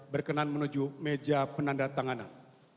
berkenan menuju meja penanda tanganan